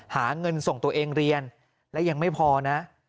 หาเงินส่งตัวเองเรียนและยังไม่พอนะ